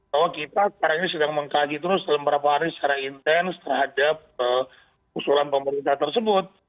bahwa kita sekarang ini sedang mengkaji terus dalam beberapa hari secara intens terhadap usulan pemerintah tersebut